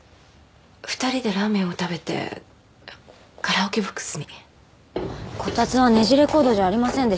二人でラーメンを食べてカラオケボックスにこたつはねじれコードじゃありませんでしたね